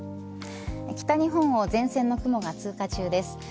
北日本を前線の雲が通過中です。